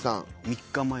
３日前。